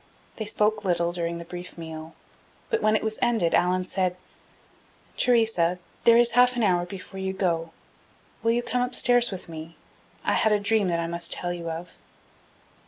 They spoke little during the brief meal, but when it was ended Allan said: "Theresa, there is half an hour before you go. Will you come upstairs with me? I had a dream that I must tell you of."